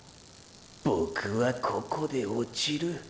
ボクはここで落ちる。